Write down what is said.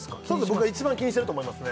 僕は一番気にしてると思いますね